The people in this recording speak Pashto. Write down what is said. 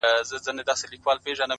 ما ويل څه به ورته گران يمه زه”